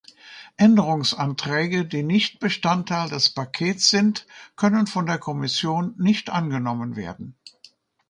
Änderungsanträge, die nicht Bestandteil des Pakets sind, können von der Kommission nicht angenommen werden.